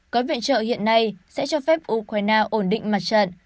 gói viện trợ hiện nay sẽ cho phép ukraine ổn định mặt trận